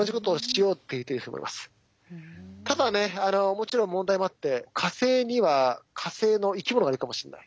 もちろん問題もあって火星には火星の生き物がいるかもしれない。